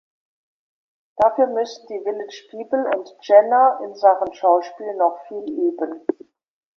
Dafür müssten die Village People und Jenner in Sachen Schauspiel noch viel üben.